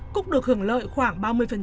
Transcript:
cúc được hưởng lợi khoảng ba mươi